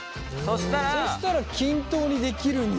そしたら均等にできるんだ。